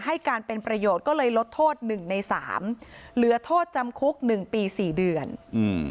ให้การเป็นประโยชน์ก็เลยลดโทษหนึ่งในสามเหลือโทษจำคุกหนึ่งปีสี่เดือนอืม